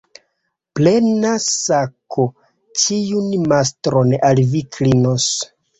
Plena sako ĉiun mastron al vi klinos.